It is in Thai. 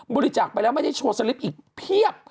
บริจาคไปแล้วไม่ได้โชว์สลิปอีกเพียบ